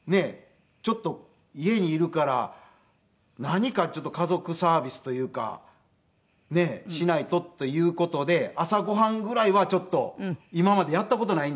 ちょっと家にいるから何か家族サービスというかねえしないとという事で朝ご飯ぐらいはちょっと今までやった事ないんですけど。